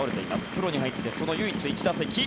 プロに入って、唯一その１打席。